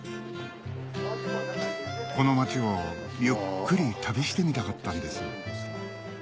この町をゆっくり旅してみたかったんです